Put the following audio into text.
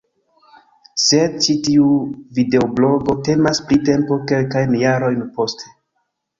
Sed ĉi tiu videoblogo temas pri tempo kelkajn jarojn poste.